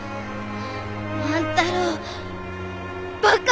万太郎バカ！